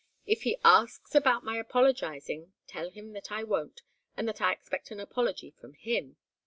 If he asks about my apologizing, tell him that I won't, and that I expect an apology from him.